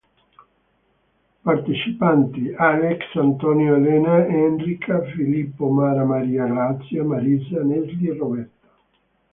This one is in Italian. Partecipanti: Alex, Antonio, Elena, Enrica, Filippo, Mara, Maria Grazia, Marisa, Nesli, Roberta.